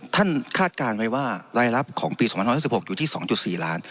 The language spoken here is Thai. คาดการณ์ไว้ว่ารายรับของปี๒๐๑๖อยู่ที่๒๔ล้าน